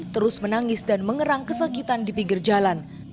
terus menangis dan mengerang kesakitan di pinggir jalan